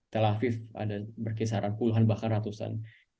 tel aviv ada berkisaran puluhan bahkan ratusan